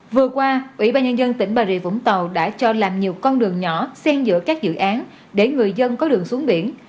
vừa qua ủy ban nhân dân tỉnh bà rịa vũng tàu đã cho làm nhiều con đường nhỏ sen giữa các dự án để người dân có đường xuống biển